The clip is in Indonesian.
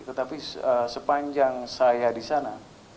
tetapi sepanjang saya disana